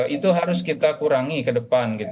itu harus kita kurangi ke depan